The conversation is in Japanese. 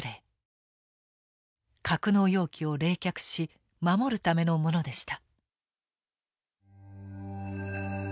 格納容器を冷却し守るためのものでした。